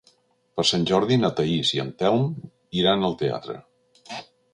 Per Sant Jordi na Thaís i en Telm iran al teatre.